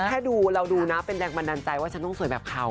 แค่ดูเราดูนะเป็นแรงบันดาลใจว่าฉันต้องสวยแบบเขา